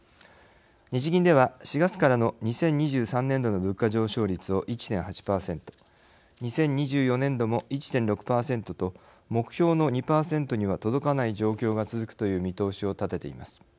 日銀では４月からの２０２３年度の物価上昇率を１．８％２０２４年度も１．６％と目標の２％には届かない状況が続くという見通しを立てています。